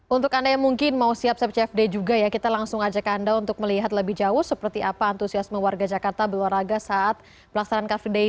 untuk anda yang mungkin mau siap siap cfd juga ya kita langsung ajak anda untuk melihat lebih jauh seperti apa antusiasme warga jakarta berolahraga saat pelaksanaan car free day